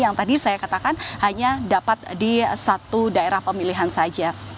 yang tadi saya katakan hanya dapat di satu daerah pemilihan saja